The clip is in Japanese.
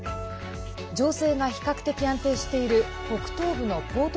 情勢が比較的安定している北東部のポート